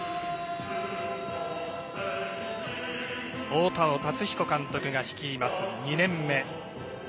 大田尾竜彦監督が率います２年目。